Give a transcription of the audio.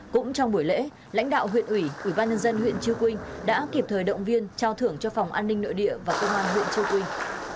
cũng trong buổi lễ lãnh đạo huyện ủy ủy ban nhân dân huyện chư quynh đã kịp thời động viên trao thưởng cho phòng an ninh nội địa và công an huyện chư quynh